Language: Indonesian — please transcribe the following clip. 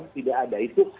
tidak ada itu